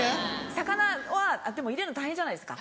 魚はでも入れるの大変じゃないですか。